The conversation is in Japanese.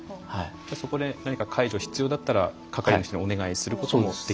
そこで何か介助必要だったら係の人にお願いすることもできますか？